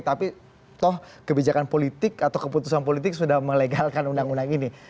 tapi toh kebijakan politik atau keputusan politik sudah melegalkan undang undang ini